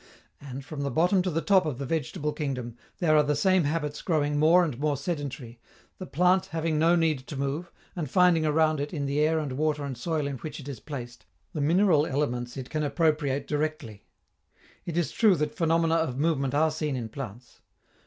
And, from the bottom to the top of the vegetable kingdom, there are the same habits growing more and more sedentary, the plant having no need to move, and finding around it, in the air and water and soil in which it is placed, the mineral elements it can appropriate directly. It is true that phenomena of movement are seen in plants.